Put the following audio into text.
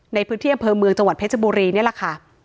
ในพื้นที่อำเภอเมืองจังหวัดเพชรบุรีนี่แหละค่ะ